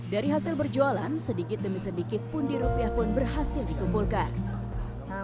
dari hasil berjualan sedikit demi sedikit pundi rupiah pun berhasil dikumpulkan